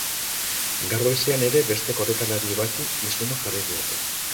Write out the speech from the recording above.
Gaur goizean ere beste korrikalari bati isuna jarri diote.